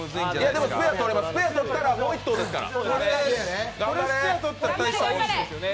でも、スペア取ったらもう１投ですから。